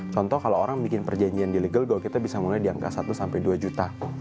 contoh kalau orang bikin perjanjian di legal go kita bisa mulai di angka satu sampai dua juta